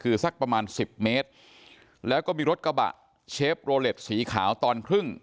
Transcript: คือสักประมาณสิบเมตรแล้วก็มีรถกระบะเชฟโรเล็ตสีขาวตอนครึ่ง